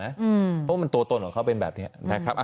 เพราะว่ามันตัวตนของเขาเป็นแบบนี้นะครับ